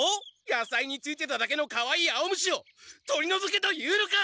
野菜についてただけのかわいい青虫を取りのぞけと言うのか！